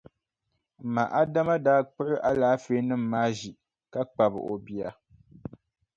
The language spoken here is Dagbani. M ma Adama daa kpuɣi alaafeenima maa ʒi ka kpabi o bia.